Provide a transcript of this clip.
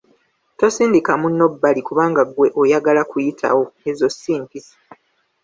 Tosindika munno bbali kubanga ggwe oyagala kuyitawo, ezo si mpisa.